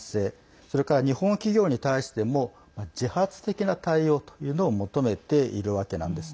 それから、日本企業に対しても自発的な対応というのを求めているわけなんです。